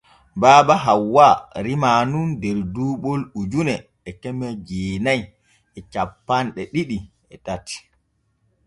Baba Hawwa rimaa nun der duuɓol ujune e keme jeenay e cappanɗe ɗiɗi e tati.